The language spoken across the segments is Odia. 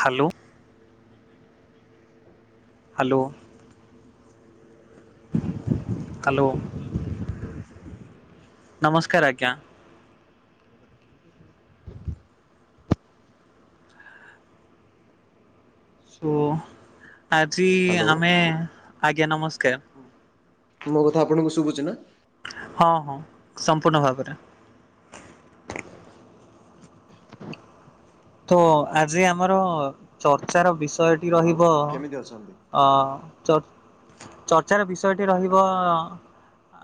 ହାଲୋ। ହଁ ହ୍ୟାଲୋ। ସାର୍ ନମସ୍କାର। ହ୍ୟାଲୋ। ହ୍ୟାଲୋ। ନମସ୍କାର ଆଜ୍ଞା। ମୋ କଥା ଶୁଭୁଛି ଆପଣଙ୍କୁ? ସୋ, ଆଜି ହ୍ୟାଲୋ ଆମେ ଆଜ୍ଞା ନମସ୍କାର। ମୋ କଥା ଆପଣଙ୍କୁ ଶୁଭୁଛି ନା। ହଁ ହଁ ସମ୍ପୂର୍ଣ୍ଣ ଭାବରେ। ତ ଆଜି ଆମର ଚର୍ଚ୍ଚାର ବିଷୟଟି ଆଉ ରହିବ କେମିତି ଅଛନ୍ତି? ଅ ଚ ଚର୍ଚ୍ଚାର ବିଷୟଟି ରହିବ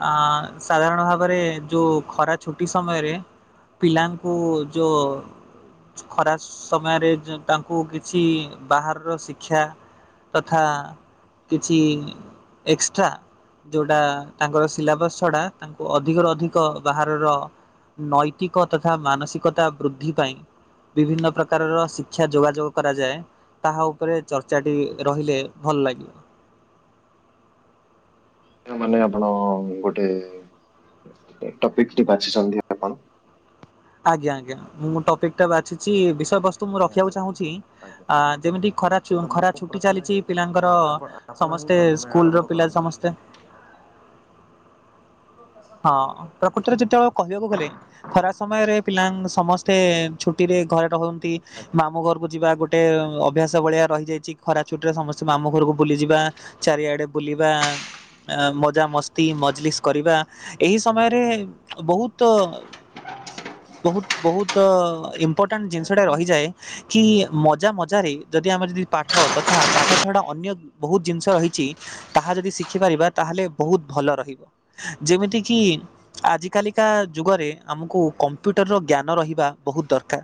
ଆ ସାଧାରଣ ଭାବରେ ଯୋଉ ଖରା ଛୁଟି ସମୟରେ ପିଲାଙ୍କୁ ଯୋ ଖରା ସମୟରେ ତାଙ୍କୁ କିଛି ବାହାରର ଶିକ୍ଷା ତଥା କିଛି ଏକ୍ସଟ୍ରା ଯୋଉଟା ତାଙ୍କର ସିଲାବସ ଛଡା ତାଙ୍କୁ ଅଧିକରୁ ଅଧିକ ବାହାରର ନୈତିକ ତଥା ମାନସିକତା ବୃଦ୍ଧି ପାଇଁ ବିଭିନ୍ନ ପ୍ରକାରର ଶିକ୍ଷା ଯୋଗାଯୋଗ କରାଯାଏ। ତାହା ଉପରେ ଚର୍ଚ୍ଚାଟି ରହିଲେ ଭଲ ଲାଗିବ। ମାନ ଆପଣ ଗୋଟେ ଟପିକଟି ବାଛିଛନ୍ତି। ଆପଣ। ଆଜ୍ଞା ଆଜ୍ଞା ମୁଁ ମୁଁ ଟପିକଟା ବାଛିଚି ବିଷୟବସ୍ତ ମୁଁ ନିହାତି ରଖିବାକୁ ଭାବେ ଚାହୁଁଛି ଆଜ୍ଞା ଆ ଯେମିତି ଖରା ତ ଛୁ ମୁଁ ଖରା ଛୁଟି ପ୍ରଥମେ ଚାଲିଛି ପିଲାଙ୍କର ହଁ ଆପଣ ଆପଣ ହିଁ ସମସ୍ତେ ପ୍ରଥମେ ସ୍କୁଲ ଆରମ୍ଭ ର ପିଲା କରନ୍ତୁ ସମସ୍ତେ ହଁ ପ୍ର ପ୍ରକୃତରେ ଯେତେବେଳେ କହିବାକୁ ଗଲେ ଖରା ସମୟରେ ପିଲାଙ୍କ ସମସ୍ତେ ଛୁଟିରେ ଘରେ ରହନ୍ତି। ଆଜ୍ଞା ମାମୁ ଘରକୁ ଯିବା ଗୋ- ଗୋଟେ ଅଭ୍ୟାସ ଭଳିଆ ରହିଯାଇଛି ଖରା ଛୁଟିରେ ସମସ୍ତେ ମାମୁ ଘରକୁ ବୁଲିଯିବା। ଚାରିଆଡେ ବୁଲିବା ଆ ମଜା ମସ୍ତି ମଜଲିସ୍ କରିବା। ଏହି ସମୟରେ ବହୁତ ବହୁତ ବହୁତ ଇମ୍ପୋର୍ଟାଣ୍ଟ ଜିନିଷ ନିହାତି ଟାଏ ନିହାତି ରହିଯାଏ କି ମଜା ମଜାରେ ଯଦି ଆମେ ଯଦି ପାଠ ତଥା ପାଠ ଛଡା ଅନ୍ୟ ବହୁତ ଜିନିଷ ରହିଛି ତାହା ଯଦି ଶିଖିପାରିବା ତାହେଲେ ବହୁତ ଭଲ ରହିବ। ଯେମିତିକି ଆଜ କାଲିକା ଯୁଗରେ ଆମକୁ ନିହାତି ନିହାତି। କମ୍ପ୍ୟୁଟର ର ଜ୍ଞାନ ରହିବା ବହୁତ ଦରକାର।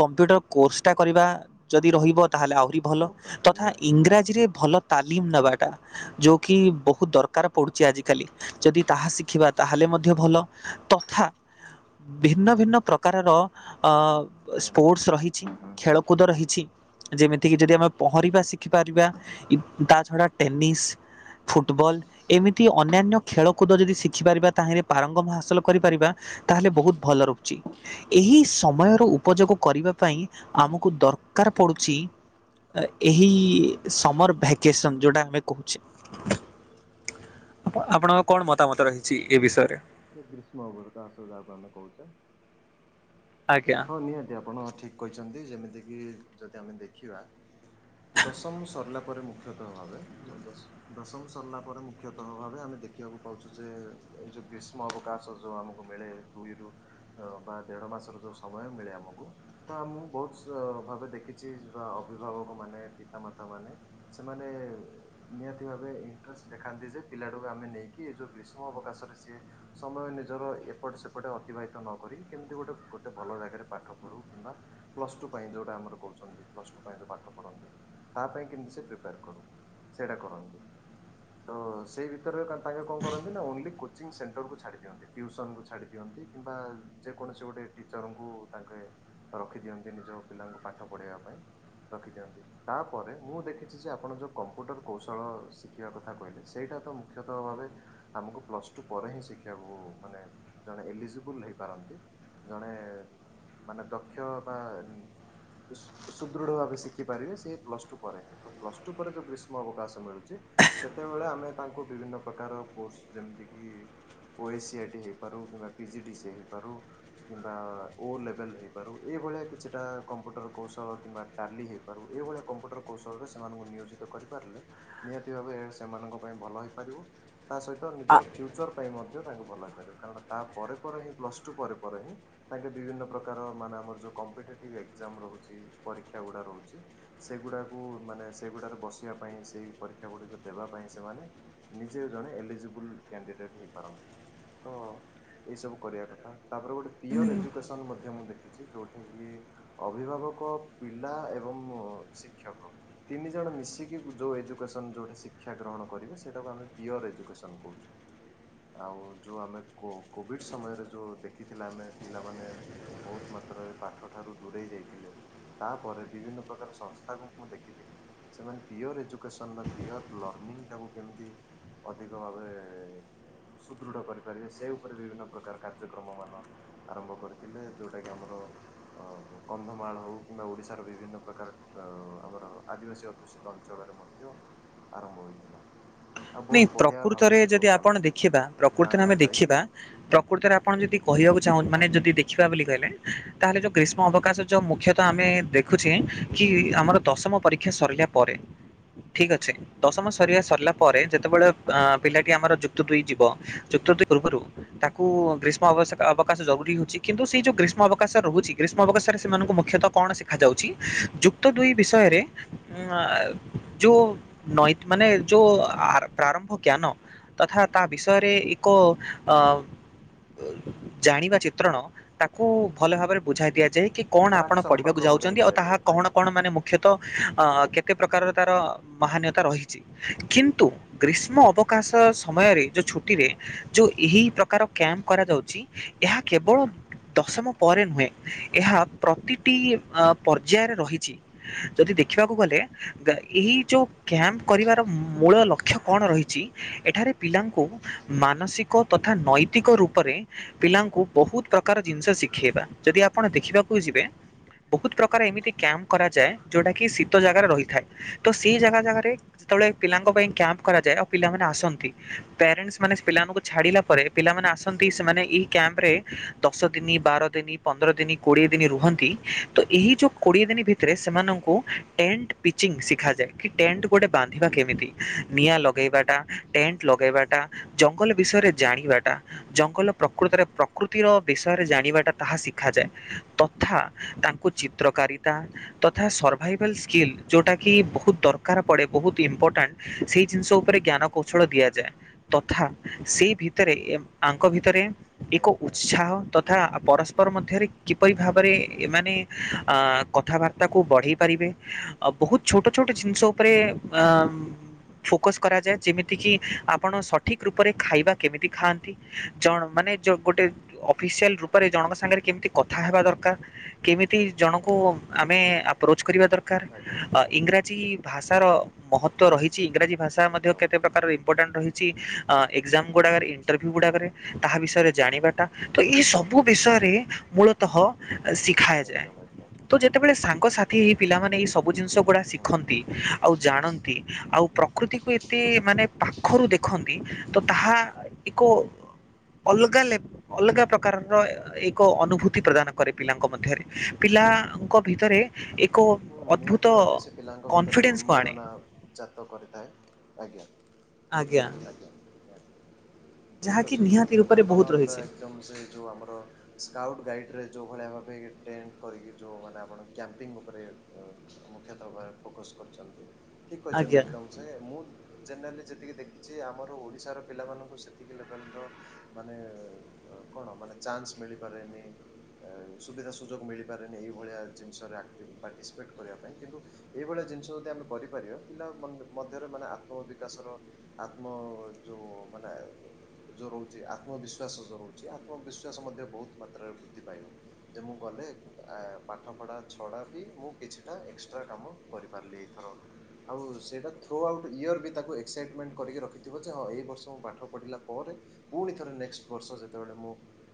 କମ୍ପ୍ୟୁଟର କୋର୍ସଟା କରିବା ଯଦି ରହିବ ତାହେଲେ ଆହୁରି ଭଲ। ବହୁତ ଦରକାର ତଥା ନିହାତି ଇଂରାଜୀ ଜି ରେ ଭଲ ତାଲିମ ନବାଟା, ଯୋଉକି ବହୁତ୍ ଦରକାର୍ ପଡୁଛି ଆଜି କାଲି ଯଦି ତାହା ଶିଖିବା ତାହେଲେ ମଧ୍ୟ ଭଲ। ତଥା ଭିନ୍ନ ଭିନ୍ନ ପ୍ରକାରର ଅ ନିହାତି। ସ୍ପୋର୍ଟସ୍ ରହିଛି। ହୁଁ ହୁଁ ଖେଳକୁଦ ରହିଛି। ଯେମିତିକି ଯଦି ଆମେ ପହଁରିବା ଶିଖିପାରିବା ତା ଛଡ଼ା ଟେନିସ୍ ଫୁଟବଲ୍ ଏମିତି ଅନ୍ୟାନ୍ୟ ଖେଳ କୁଦ ଯଦି ଶିଖିପାରିବା ତାହେଲେ ପାରଙ୍ଗମ ହାସଲ କରିପାରିବା। ତାହେଲେ ବହୁତ ଭଲ ରହୁଛି। ଏହି ସମୟର ଉପଯୋଗ କରିବା ପାଇଁ ଆମକୁ ଦରକାର ଏକଦମ ପଡୁଛି ଏହି ସମର୍ ଭ୍ୟାକେସନ୍ ଯେଉଁଟା ଆମେ କହୁଛେ? ଆପ ଆପଣଙ୍କ କଣ ମତାମତ ରହିଛି ଏ ବିଷୟରେ? ସେ ଗ୍ରୀଷ୍ମ ତା ସହି ଯା ଆମେ କହୁଛେ? ଆଜ୍ଞା। ହଁ ନିହାତି ଆପଣ ଠିକ୍ କହିଛନ୍ତି, ଯେମିତିକି ଯଦି ଆମେ ଦେଖିବା ଦଶମ ସରିଲା ପରେ ମୁଖ୍ୟତଃ ଭାବେ ଦସ୍ ଦଶମ ସରିଲା ପରେ ମୁଖ୍ୟତଃ ଭାବେ ଆମେ ଦେଖିବାକୁ ପାଉଛୁ ଯେ, ଏଇ ଯୋଉ ଗ୍ରୀଷ୍ମ ଷ୍ମ ଅବକାଶ ଯୋଉ ଆମକୁ ମିଳେ ଦୁଇରୁ ବା ଦେଢ ମାସର ଯୋଉ ସମୟ ମିଳେ ଆମକୁ ତ ମୁଁ ବହୁତ ଭାବେ ଦେଖିଛି ଅଭିଭାବକ ମାନେ, ପିତାମାତା ମାନେ ସେମାନେ ନିହାତି ଭାବେ ଇଣ୍ଟରେଷ୍ଟ ଦେଖାନ୍ତି ଯେ ପିଲାଟାକୁ ଆମେ ନେଇକି। ଏ ଯଉଁ ଗ୍ରୀଷ୍ମ ଅବକାଶରେ ସିଏ ସମୟ ନିଜର ଏପଟ ସେପଟେ ଅତିବାହିତ ନକରି କେମିତି ଗୋଟେ ଗୋଟେ ଭଲ ଜାଗାରେ ପାଠ ପଢୁ। କିମ୍ବା ପ୍ଲସ ଟୁ ପାଇଁ ଯୋଉଟା ଆମର କହୁଛନ୍ତି। ପ୍ଲସ ଟୁ ପାଇଁ ଯୋଉ ପାଠ କରନ୍ତି ତା ପାଇଁ କେମତି ସେ ପ୍ରିପେୟାର କରୁ ସେଇଟା କରନ୍ତି। ତ ସେଇ ଭିତରେ ତାଙ୍କେ କଣ କରନ୍ତି ନା, ଓନ୍ଲି କୋଚିଂ ସେଣ୍ଟରକୁ ଛାଡ଼ି ଦିଅନ୍ତି। ଟ୍ୟୁସନ୍କୁ ଛାଡ଼ି ଦିଅନ୍ତି କିମ୍ବା ଯେକୌଣସି ଗୋଟିଏ ଟିଚରଙ୍କୁ ତାଙ୍କେ ରଖିଦିଅନ୍ତି ନିଜ ପିଲାଙ୍କୁ ପାଠ ପଢେଇବା ପାଇଁ, ରଖିଦିଅନ୍ତି। ତାପରେ ମୁଁ ଦେଖିଛି ଯେ ଆପଣ ଯୋଉ କମ୍ପ୍ୟୁଟର କୌଶଳ ଶିଖିବା କଥା କହିଲେ ସେଇଟା ତ ମୁଖ୍ୟ [unintelligible] ଭାବେ ଆମକୁ ପ୍ଲସ ଟୁ ପରେ ହିଁ ଶିଖିବାକୁ ମାନେ ଜଣେ ଏଲିଜିବୁଲ ହେଇପାରନ୍ତି। ଜଣେ ମାନେ ଦକ୍ଷ ବା ସୁ-ସୁଦୃଢ ଭାବେ ଶିକ ଦେଖିପାରିବେ ସେି ପ୍ଲସ ଟୁ ପରେ ତ ପ୍ଲସ ଟୁ ପରେ ଯଉ ଗ୍ରୀଷ୍ମ ଅବକାଶ ମିଳୁଛି ସେତେବେଳେ ଆମେ ତାଙ୍କୁ ବିଭିନ୍ନ ପ୍ରକାର କୋର୍ସ ଯେମିତି କିି ଓଏ ସି ଆଇ ଟି ହେଇପାରୁ କିମ୍ବା ପିଜି ଡି ସି ହେଇପାରୁ କିମ୍ବା ଓ ଲେବଲ ହେଇପାରୁ ଏଭଳିଆ କିଛିଟା କମ୍ପ୍ୟୁଟର କୌଶଳ କିମ୍ବା ଟାଲି ହେ ବାରୁ ଏଭଳିଆ କମ୍ପ୍ୟୁଟର କୌଶଳରେ ସେମାନଙ୍କୁ ନିୟୋଜିତ କରିପାରିଲେ ନିହାତି ଭାବେ ସେମାନଙ୍କ ପାଇଁ ଭଲ ହେଇପାରିବ ତା ସହିତ ନିଜର ଫ୍ୟୁଚର ପାଇଁ ମଧ୍ୟ ତାଙ୍କୁ ଭଲପାରିବ କାରଣ ତା ପରେ ପରେ ପରେ ହିଁ ପ୍ଲସ ଟୁ ପରେ ପରେ ହିଁ ତାଙ୍କେ ବିଭିନ୍ନ ପ୍ରକାର ମାନେ ଆମର ଯୋଉ କମ୍ପିଟେଟିଭ ଏକଜାମ ରହୁଛି ପରୀକ୍ଷା ଗୁଡା ରହୁଛି ସେଗୁଡାକୁ ମାନେ ସେଗୁଡାରେ ବସିବା ପାଇଁ ସେଇ ପରୀକ୍ଷା ଗୁଡିକ ଦେବା ପାଇଁ ସେମାନେ ନିଜେ ଜଣେ ଏଲିଜିବୁଲ୍ କ୍ୟାଣ୍ଡିଡେଟ୍ ହେଇପାରନ୍ତି। ତ ଏଇସବୁ କରିବା କଥା ତାପରେ ଗୋଟେ ପିଅର ଏଜୁକେସନ୍ ମଧ୍ୟ ମୁଁ ଦେଖିଛି ଯେଉଠା କିି ଅଭିଭାବକ ପିଲା ଏବଂ ମୋ ଶିକ୍ଷକ ତିନି ଜଣ ମିଶିକି ଯୋଉ ଏଜୁକେସନ ଯୋଉଟା ଶିକ୍ଷା ଗ୍ରହଣ କରିବ ସେଟାକୁ ଆମେ ପିୟର ଏଜୁକେସନ କହୁ ଆଉ ଯେଉଁ ଆମେ କୋ-କୋଭିଡ଼ ସମୟରେ ଯେଉଁ ଦେଖିଥିଲେ ଆମେ ପିଲାମାନେ ବହୁତ ମାତ୍ରାରେ ପାଠ ଠାରୁ ଦୂରେଇ ଯାଇଥିଲେ ତାପରେ ବିଭିନ୍ନ ପ୍ରକାର ସଂସ୍ଥା କୁ ମୁଁ ଦେଖିଥିଲି। ସେମାନେ ପିଓର ଏଜୁକେସନ୍ ବା ପିଓର ଲର୍ଣ୍ଣିଂଟାକୁ କେମିତି ଅଧିକ ଭାବେ ସୁଦୃଢ କରିପାରିବେ ସେ ଉପରେ ବିଭିନ୍ନ ପ୍ରକାର କାର୍ଯ୍ୟକ୍ରମ ମାନ ଆରମ୍ଭ କରିଥିଲେ ଯୋଉଟା କି ଆମର ଅ କନ୍ଧମାଳ ହଉ କିମ୍ବା ଓଡିଶାର ବିଭିନ୍ନ ପ୍ରକାର ଟ ଆମର ଆଦିବାସୀ ଅଦୂଷିତ ଅଞ୍ଚଳରେ ମଧ୍ୟ ଆରମ୍ଭ ହୋଇଥିଲା। ଆଉ ନାଇଁ ବହୁତ ବଢିଆ ଭାବେ ପ୍ରକୃତରେ ସେ ଯଦି ପ୍ରୋଗ୍ରାମଟି ଆପଣ ଥିଲା। ଦେଖିବା ଗାଁ ପ୍ରକୃତରେ ଗାଁ ଆମେ ଯାଇକି ଦେଖିବା ପ୍ରକୃତରେ ଆପଣ ଯଦି କହିବାକୁ ଚାହୁଁ ମାନେ ଆଜ୍ଞା ଯଦି ଦେଖ ଖିବା ବୋଲି କହିଲେ ତାହେଲେ ଯୋଉ ଗ୍ରୀଷ୍ମ ଅବକାଶ ଯୋଉ ମୁଖ୍ୟତଃ ଆମେ ଦେଖୁଛେ କି ଆମର ଦଶମ ପରୀକ୍ ସରିଲା ପରେ ଠିକ ଅଛି ଦଶମ ସରିବା ସରିଲା ପରେ ଯେତେବେଳେ ଅ ଆଜ୍ଞା ପିଲାଟି ଆମର ଯୁକ୍ତ ହଁ ଦୁଇ ହଁ ଯିବ ଯୁକ୍ତ ଦୁଇ ପୂର୍ବରୁ ତାକୁ ଗ୍ରୀଷ୍ମବ ଅବକାଶ ଜରୁରୀ ହଉଛି କିନ୍ତୁ ସେଇ ଯୋଉ ଗ୍ରୀଷ୍ମ ଅବକାଶ ରହୁଛି ଗ୍ରୀଷ୍ମ ଅବକାଶରେ ସେମାନଙ୍କୁ ମୁଖ୍ୟତଃ କଣ ଶିଖା ଯାଉଛି ଯୁକ୍ତ ଦୁଇ ବିଷୟରେ ଉଁ ଯୋଉ ନଇ ମାନେ ଯୋଉ ଆ ପ୍ରାରମ୍ଭ ଜ୍ଞାନ ତଥା ତା ବିଷୟରେ ଏକ ଜାଣିବା ଚିତ୍ରଣ ତାକୁ ଭଲ ଭାବରେ ବୁଝାଇ ଦିଆଯାଏ କି କଣ ପ୍ରାକ୍ ଆପଣ ପଢିବାକୁ ସମ୍ପର୍କ ଗୋଟେ ଯାଉଛନ୍ତି ଆଉ ତାହା ଦିଆଯାଏ କଣ ଆଜ୍ଞା। କଣ ମାନେ ହୁଁ ମୁ ମୁଖ୍ୟତଃ କେତେ ପ୍ରକାରର ତାର ମହନ୍ୟତା ରହିଛି କିନ୍ କିନ୍ତୁ ଗ୍ରୀଷ୍ମ ଅବକାଶ ସମୟରେ ଯୋଉ ଛୁଟିରେ ହୁଁ ଯେଉଁ ଏହି ପ୍ରକାର କ୍ୟାମ୍ପ କରାଯାଉଛି ଏହା କେବଳ ଦଶମ ପରେ ନୁହେଁ ଏହା ପ୍ରତିଟି ଅ ପର୍ଯ୍ୟାୟରେ ରହିଛି। ଯଦି ଦେଖିବାକୁ ଗଲେ ଏଇ ଯୋଉ କ୍ୟାମ୍ପ କରିବାର ମୋ ଅକ୍ଷ କଣ ରହିଛି ଏଠାରେ ପିଲାଙ୍କୁ ମାନସିକ ତଥା ନୈତିକ ରୂପରେ ପିଲାଙ୍କୁ ବହୁତ ପ୍ରକାର ଜିନିଷ ଶିଖେଇବା ଯଦି ଆପଣ ଦେଖିବାକୁ ଯିବେ ବହୁତ ପ୍ରକାର ଏମିତି କ୍ୟାମ୍ପ କରାଯାଏ ଯୋଉଟା କିି ଶୀତ ଜାଗାରେ ରହିଥାଏ। ତ ସେଇ ଜାଗା ଜାଗାରେ ସେତେବେଳେ ପିଲାଙ୍କ ପାଇଁ କ୍ୟାମ୍ପ କରାଯାଏ ଆଉ ପିଲାମାନେ ଆଜ୍ଞା ଆସନ୍ତି ପ୍ୟାରେଣ୍ଟ ମାନେ ପିଲାମାନଙ୍କୁ ଛାଡିଲା ପରେ ପିଲାମାନୋନ ଆସନ୍ତି ସେମାନେ ଏଇ କ୍ୟାମ୍ପରେ ଦଶ ଦିନି ବାର ଦିନ ପନ୍ଦର ଦିନ କୋଡିଏ ଦିନ ରୁହନ୍ତି ତ ଏହି ଯୋଉ କୋଡିଏ ଦିନ ଭିତ ରେ ସେମାନଙ୍କୁ ଟେଣ୍ଟ ପିଚିଂ ଶିଖାଯାଏ କି ଟେଣ୍ଟ ଗୋଟେ ବାନ୍ଧିବା କେମିତି ନିଆଁ ଲଗେଇବାଟା, ଟେଣ୍ଟ ଲଗେଇବାଟା, ଜଙ୍ଗଲ ବିଷୟରେ ଜାଣିବାଟା ଜଙ୍ଗଲ ପ୍ରକୃତରେ ପ୍ରକୃତିର ବିଷୟରେ ଜାଣିବାଟା ତାହା ଶିଖାଯାଏ। ତଥା ତାଙ୍କୁ ଚିତ୍ରକାରୀ ତା ତଥା ଆଜ୍ଞା ସର୍ଭାଇଭାଲ୍ ସ୍କିଲ୍ ଯୋଉଟାକି ବହୁତ ଦରକାର ପଡ଼େ, ବହୁତ ଇମ୍ପୋର୍ଟାଣ୍ଟ ସେଇ ଜିନିଷ ଉପରେ ଜ୍ଞାନ କୌଶଳ ଦିଆଯାଏ। ତଥା, ସେଇ ଭିତରେ ଆଙ୍କ ଭିତରେ ଏକ ନିହାତି ନିହାତି ଉତ୍ସାହ ତଥ ତଥା ପରସ୍ପର ମଧ୍ୟରେ କିପରି ଭାବରେ ଏମାନେ ଅ କଥାବାର୍ ବାର୍ତ୍ତାକୁ ବଢ଼େଇ ପାରିବେ, ଆଉ ବହୁତ ଛୋଟ ଛୋଟ ଜିନିଷ ଉପରେ ଆମ୍ ଫୋକସ୍ କରାଯାଏ। ଯେମିତିକି ଆପଣ ସଠିକ୍ ରୂପରେ ଖାଇବା କେମିତି ଖାଆନ୍ତି? ଜଣ ମାନେ ଯ ଗୋଟେ ଅଫିସିଆଲ ରୂପରେ ଜଣଙ୍କ ସାଙ୍ଗରେ କେମିତି କଥା ହେବା ଦରକାର? କେମିତି ଜଣଙ୍କୁ ଆମେ ଆପ୍ରୋଚ କରିବା ଦରକା କାର? ଆଜ୍ଞା ଇଂରାଜୀ ଭାଷାର ମହତ୍ତ୍ୱ ରହିଛି ଇଂରାଜୀ ଭାଷା ମଧ୍ୟ ଏକଦମ। କେତେ ପ୍ରକା କାରର ଇମ୍ପୋର୍ଟାଣ୍ଟ ରହିଛି, ଆ ଏକ୍ଜାମ ହୁଁ ଗୁଡ଼ାକରେ, ହୁଁ ଇଣ୍ଟରଭ୍ୟୁ ଗୁଡ଼ାକରେ ତାହା ବିଷୟରେ ଜାଣିବାଟା, ତ ଏଇ ସବୁ ବିଷୟରେ ମୂଳତଃ ଶିକ ଖାଯାଏ। ଏକଦମ ଏକଦମ ତ ଯେତେବେଳେ ସାଙ୍ଗସାଥି ହେଇ ପିଲାମାନେ ଏଇ ସବୁ ଜିନିଷ ଗୁଡ଼ା ହୁଁ ହୁଁ ଶିଖନ୍ତି, ଆଉ ଜାଣନ୍ତି, ଆଉ ପ୍ରକୃତିକୁ ଏତେ ମାନେ ପାଖରୁ ଦେଖନ୍ତି, ତ ତାହା ଏକ ଅଲଗା ଲେପ ଅଲଗା ପ୍ରକାରର ଅ ଏକ ଅନୁଭୂତି ପ୍ରଦାନ କରେ ପିଲାଙ୍କ ମଧ୍ୟରେ। ପିଲାଙ୍କ ଭିତରେ ଏକ ହୁଁ ଅଦ୍ଭୁତ ନିହାତି ଭାବେ ସେ ପିଲାଙ୍କ ଭିତରେ କନଫିଡେନ୍ସକୁ ଆଣେ। ଉନ୍ମାଦନା ଜାତ କରିଥାଏ, ଆଜ୍ଞା। ଆଜ୍ଞା। ଆଜ୍ଞା, ନିହାତି। ଠିକ୍ ଯାହାକି ଅଛନ୍ତି ନିହାତି ଏକଦମ ରୂପରେ ଆପଣ ବହୁତ ପୁରା ରହିଛି ଏକଦମ ସେ ଯୋଉ ଆମର ସ୍କାଉଟ୍ ଗାଇଡରେ ଯୋଉ ଭଳିଆ ଭାବେ ଟେଣ୍ଟ କରିକି, ଯୋଉ ମାନେ ଆପଣ କ୍ୟାମ୍ପିଙ୍ଗ ଉପରେ ମୁଖ୍ୟତଃ ଭାବରେ ଫୋକସ କରୁଛନ୍ତି ଠିକ୍ କହିଛନ୍ତି ଆଜ୍ଞା ଏକଦମ ସେ, ମୁଁ ଜେନେରାଲି ଯେତିକି ଦେଖିଛି ଆମର ଓଡ଼ିଶାର ପିଲାମାନଙ୍କୁ ସେ [unintelligible] ମାନେ କଣ ମାନେ ଚାନ୍ସ ମିଳିପାରେନି ସୁବିଧା ସୁଯୋଗ ମିଳିପାରେନି ଏହିଭଳିଆ ଜିନିଷରେ ଆକ୍ଟିଭ ପାର୍ଟିସିପେଟ୍ କରିବା ପାଇଁ କିନ୍ତୁ ଏଇଭଳିଆ ଜିନିଷ ଯଦି ଆମେ କରିପାରିବା, ପିଲାମାନ ମଧ୍ୟରେ ମାନେ ଆତ୍ମବିକାଶର ଆତ୍ମ ଯୋଉ ମାନେ ଯୋଉ ରହୁଛି ଆତ୍ମବିଶ୍ୱାସ ଯୋଉ ରହୁଛି, ଆତ୍ମବିଶ୍ୱାସ ମଧ୍ୟ ବହୁତ ମାତ୍ରାରେ ବୃଦ୍ଧି ପାଇବ। ଯେ ମୁଁ ଗଲେ, ଆ ପାଠପଢ଼ା ଛଡ଼ା ବି ମୁଁ କିଛିଟା ଏକ୍ସଟ୍ରା କାମ କରିପାରିଲି ଏଇଥର। ଆଉ ସେଇଟା ଥ୍ରୋ ଆଉଟ୍ ଇୟର୍ ବି ତାକୁ ଏକ୍ସାଇଟମେଣ୍ଟ କରିକି ରଖିଥିବ ଯେ, ହଁ ଏଇ ବର୍ଷ ମୁଁ ପାଠ ପଢ଼ିଲା ପରେ, ପୁଣିଥରେ ନେକ୍ସଟ ବର୍ଷ ଯେତେବେଳେ ମୁଁ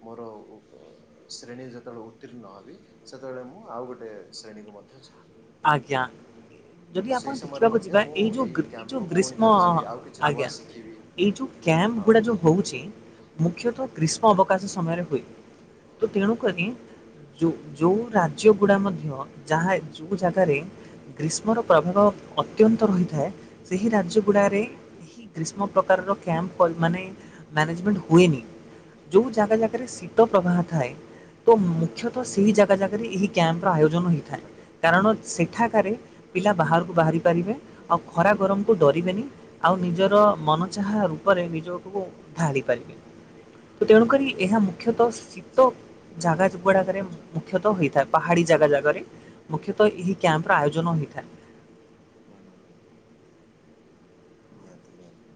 ମୋର ଶ୍ରେଣୀରେ ଯେତେବେଳେ ଉତ୍ତୀର୍ଣ୍ଣ ହେବି, ସେତେବେଳେ ମୁଁ ଆଉ ଗୋଟେ ଶ୍ରେଣୀକୁ ମଧ୍ୟ ଯିବି। ଆଜ୍ଞା। ଯଦି ତ ଆପଣ ସେଇ ସମୟରେ ଦେଖିବାକୁ ମଧ୍ୟ ଯିବା ମୁଁ ଏଇ ଯୋଉ ଏଇ ଯୋଉ କ୍ୟାମ୍ପକୁ ପୁଣି ଗ୍ରୀଷ୍ମ ଥରେ ଯିବି ଆଉ କିଛି ନୂଆ ଆଜ୍ଞା। ଶିଖିବି। ଏଇ ଯୋଉ କ୍ୟାମ୍ପ ଗୁଡା ହଁ ଯୋଉ ହଉଛି, ମୁଖ୍ୟତଃ ଆଜ୍ଞା ଗ୍ରୀଷ୍ ଷ୍ମ ଅବକାଶ ସମୟରେ ହୁଏ। ତ ତେଣୁକରି ଯୋଉ-ଯୋଉ ରାଜ୍ୟ ଗୁଡ଼ା ନିହାତି ମଧ୍ୟ ହୁଁ ଯାହା ଯୋଉ ଜାଗାରେ ଗ୍ରୀଷ୍ମର ପ୍ରଭାବ ଅତ୍ୟନ୍ତ ରହିଥାଏ, ସେହି ରାଜ୍ୟଗୁଡାରେ ଏହି ଗ୍ରୀଷ୍ମ ପ୍ରକାରର କ୍ୟାମ୍ପ ପଡ଼ି ନିହାତି। ମାନେ ମ୍ୟାନେଜମେଣ୍ଟ ହୁଏନି, ଯୋଉ ଜାଗା ଜାଗାରେ ଶୀତ ପ୍ରବାହ ଥାଏ ତ ହୁଁ ହୁଁ ମୁଖ୍ୟତଃ ହୁଁ ସେହି ଜାଗା ଜାଗାରେ ଏହି କ୍ୟାମ୍ପର ଆୟୋଜନ ହୋଇଥାଏ। ଆଜ୍ଞା। କାରଣ ସେଠାକାରେ ପିଲା ବାହାରକୁ ବାହାରି ପାରିବେ, ଆଉ ନିହାତି ଖରା ଗରମ କୁ ଡରିବେନି ଆଉ ନିଜର ମନ ଚାହା ଆଜ୍ଞା ରୂପରେ ନିଜକୁ ଭାରି ହୁଁ ହୁଁ ପାରିବେନି। ତ ତେଣୁକରି ଏହା ମୁଖ୍ୟତଃ ଶୀତ ଜାଗା ଯ ଆଜ୍ଞା ଠିକ୍ ଗୁଡାକରେ କହିଛନ୍ତି ମୁଖ୍ୟତଃ ଏକଦମ ହୋଇଥାଏ। ପାହାଡ଼ି ଜାଗା ଜାଗାରେ, ମୁଖ୍ୟତଃ ଏହି କ୍ୟାମ୍ପର ଆୟୋଜନ ହୋଇଥାଏ। ହୁଁ ହୁଁଁ। ମତି ମତି [inaudible]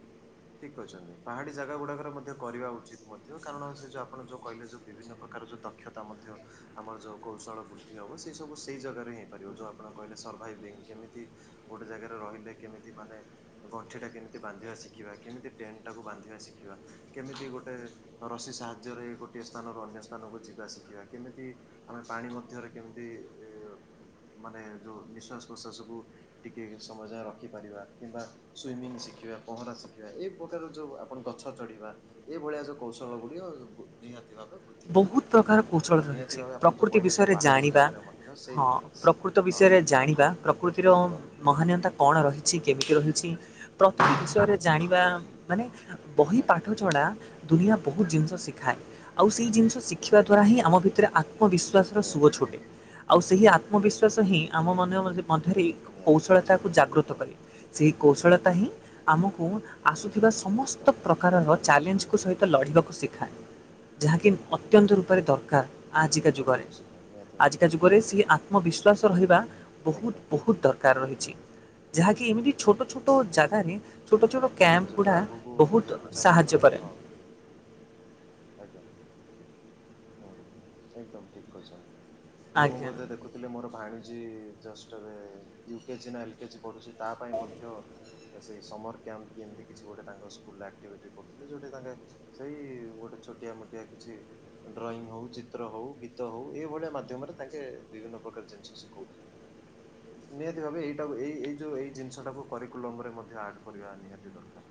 ଠିକ୍ କହିଛନ୍ତି ପାହାଡି ଜାଗା ଗୁଡାକରେ ମଧ୍ୟ କରିବା ଉଚିତ୍ ମଧ୍ୟ କାରଣ ସେ ଯଉ ଆପଣ ଯୋଉ କହିଲେ ଯଉ ବିଭିନ୍ନ ପ୍ରକାର ଯେଉଁ ଦକ୍ଷତା ମଧ୍ୟ ଆମର ଯଉ କୌଶଳ ବୃଦ୍ଧି ହବ ସେଇ ସବୁ ସେଇ ଜାଗାରେ ହେଇପାରିବ ଯଉ ଆପଣ କହିଲେ ସର୍ଭାଇଭିଙ୍ଗ କେମିତି ଗୋଟେ ଜାଗାରେ ରହିଲେ କେମିତି ମାନେ ଗଣ୍ଠିଟା କେମିତି ବାନ୍ଧିବା ଶିଖିବା କେମିତି ଟେଣ୍ଟଟାକୁ ବାନ୍ଧିବା ଶିଖିବା କେମିତି ଗୋଟେ ରସି ସାହାଯ୍ୟରେ ଗୋଟଏ ସ୍ଥାନରୁ ଅନ୍ୟ ସ୍ଥାନକୁ ଯିବା ଶିଖିବା କେମିତି ଆମେ ପାଣି ମଧ୍ୟରେ କେମିତି ଏ ମାନେ ଯୋଉ ନିଃଶ୍ଵାସ ପ୍ରଶ୍ୱାସକୁ ଟିକେ ସମୟ ଯାଏ ରଖିପାରିବା କିମ୍ବା ସୁଇମିଂ ଶିଖିବା ପହଁରା ଶିଖିବା ଏଇ ପ୍ରକାର ଯୋଉ ଆପଣ ଗଛ ଚଢିବା ଏଇଭଳିଆ ଯୋଉ କୌଶଳ ଗୁଡିକ ନିହାତି ଭାବେ ବୃଦ୍ଧି ବହୁତ ପାଇଥାଏ ପ୍ରକାର କୌଶଳ ଆଉ ରହିଛି ନିହାତି ଭାବେ ଆପଣ ଯୋଉ ପ୍ରକୃତି କହିଲେ ଯେ ବିଷୟରେ ପାହାଡି ଜାଣିବା ଇଲାକାରେ ମଧ୍ୟ ସେଇ ହଁ ପ୍ରକୃତ ହଁ ବିଷୟରେ ଜାଣିବା ପ୍ରକୃତିର ଏକଦମ ମହାନୀୟତା କଣ ରହିଛି କେମିତି ରହିଛି ପ୍ରତିଟି ବିଷୟରେ ଜାଣିବା ମାନେ ବହି ଆଜ୍ଞା ପାଠ ଛଡା ଦୁନିଆ ବହୁତ ଜିନିଷ ଶିଖାଏ। ଆଉ ସେଇ ଜିନିଷ ଶିଖିବା ଦ୍ୱାରାହିଁ ହୁଁ ଆମ ଭିତରେ ଆତ୍ମବିଶ୍ୱାସର ନିହାତି ସୁଅ ଛୁଟେ। ନିହାତି ଆଉ ସେହି ଆତ୍ମବିଶ୍ଵାସ ହିଁ ଆମ ମନ ମଧ୍ୟରେ ନିହାତି ଠିକ କୌଶଳତାକୁ କହିଲେ ଜାଗ୍ରତ ଏକଦମ କରେ। ସେହି କୌଶଳତା ହିଁ ଆମକୁ ଆସୁଥିବା ଏକଦମ ସମସ୍ତ ଏକଦମ ପ୍ରକାରର ଚ୍ୟାଲେଞ୍ଜକୁ ସହିତ ଲଢ଼ିବାକୁ ଶିଖାଏ। ଯାହାକି ଅତ୍ୟନ୍ତ ରୂପରେ ଦରକାର। ଆଜିକା ଯୁଗରେ ଲଢିବାକୁ ଶିଖାଏ ନିହାତି ଭାବେ ଆଜିକା ଯୁଗରେ ସି ଆତ୍ମବିଶ୍ୱାସ ନିହାତି। ରହିବା ବହୁତ ଏକଦମ ବହୁତ ଦର କାର ରହିଛି ଯାହାକି ଏମିତି ଛୋଟ ଛୋଟ ଜାଗାରେ ଛୋଟ ଛୋଟ ନିହାତି ଆମେ କ୍ୟାମ୍ପ ଯଦି ଗୁଡ଼ା ଆଗକୁ ବହୁତ ବଢିବାକୁ ଚାହିଁବା ସାହାଯ୍ୟ ବୋଲେ କରେ। ହଁ ଆଜ୍ଞା। ହୁଁ ହୁଁ ଏକଦମ ଠିକ କହିଛନ୍ତି ମୁଁ ଆଜ୍ଞା ବୋଧେ ଦେଖୁ ଥିଲେ ମୋର ଭାଣିଜୀ ଜଷ୍ଟ ଏବେ ୟୁକେଜି ନା ଏଲ୍କେଜି ପଢ଼ୁଛି ତା ପାଇଁ ମଧ୍ୟ ସେଇ ସମର୍ କ୍ୟାମ୍ପ କି ଏମିତି କିଛି ଗୋଟେ ତାଙ୍କ ସ୍କୁଲରେ ଆକ୍ଟିଭିଟି କରୁଥିଲେ ଯଉଟା ତାଙ୍କେ ସେଇ ଗୋଟେ ଛୋଟିଆ ମୋଟିଆ କିଛି ଡ୍ରଇଂ ହଉ ଚିତ୍ର ହଉ ଗୀତ ହଉ ଏଇଭଳିଆ ମାଧ୍ୟମରେ ତାଙ୍କେ ବିଭିନ୍ନ ପ୍ରକାର ଜିନିଷ ଶିଖଉ ଆସଲ ତାକୁ [inaudible] ହ ନିହାତି ଭାବେ ଏଇଟା ଏଇ ଏଇ ଯୋଉ ଏଇ ଜିନିଷଟାକୁ କରିକକୁଲମ ରେ ମଧ୍ୟ ଆଡ୍ କରିବା ନିହାତି ଦରକାର।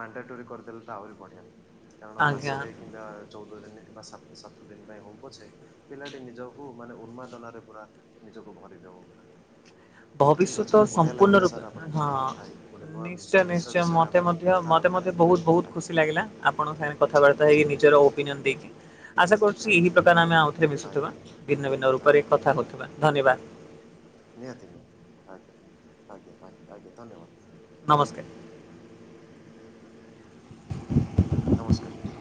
ମାଣ୍ଡାଟୋରି କରିଦେଲେ ତ ଆହୁରି ବଢିଆ କାରଣ ଆଜ୍ଞା ମାସଟେ କିମ୍ବା ଚଉଦ ଦିନେ କିମ୍ବା ସାତ ସାତ ଦିନ ପାଇଁ ହଉ ପଛେ ପିଲାଟି ନିଜକୁ ମାନେ ଉନ୍ମାଦନାରେ ପୁରା ନିଜକୁ ଭରିଦବ ପୁରା। ଠିକ୍ ଭବିଷ୍ୟତ ଅଛି ବଢ଼ିଆ ସମ୍ପୂର୍ଣ୍ଣ ଲାଗିଲା ରୂପେ ସାର୍ ଆପଣଙ୍କ ହଁ ସହିତ କଥା ହେଇକି ଗୋଟେ ନୂଆ ନିଶ୍ଚୟ ଜିନିଷ ନିଶ୍ଚୟ ବିଷୟରେ ମତେ ଆମେ ମ ଅ ମତେ କଥାବାର୍ତ୍ତା ମୋତେ ହେଲେ। ବହୁତ ବହୁତ ଆଜ୍ଞା ଖୁସି ଲାଗିଲା ଆପଣଙ୍କ ସାଙ୍ଗେରେ ଠିକ୍ କଥାବାର୍ତ୍ତା ଅଛି ହେଇି ନିଜର ଓ ଓପିନିଅନ ଦେଇକି ଆଶା କରୁଛି ଆଜ୍ଞା ଏହି ପ୍ରକାର ଆମେ ଆଉଥରେ ମିଶୁଥିବା ଆଜ୍ଞା ଆଜ୍ଞା ଭିନ୍ନ ଭିନ୍ନ ରୂପରେ ଆଜ୍ଞା ଆଜ୍ଞା କଥା ହଉଥିବା। ଧନ୍ୟବାଦ। ନିହାତି ନିହାତି ଆଜ୍ଞା ଆଜ୍ଞା ଆଜ୍ଞା ଆଜ୍ଞା ଧନ୍ୟବାଦ। ନମସ୍କାର। ନମସ୍କାର।